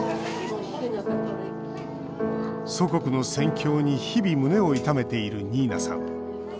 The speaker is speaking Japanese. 祖国の戦況に日々、胸を痛めているニーナさん。